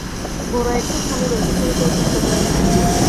গোরা একটু থামিল, সুচরিতাও চুপ করিয়া রহিল।